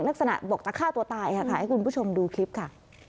ลักษณะบอกจะฆ่าตัวตายค่ะให้คุณผู้ชมดูคลิปค่ะ